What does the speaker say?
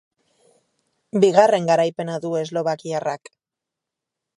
Bigarren garaipena du eslovakiarrak.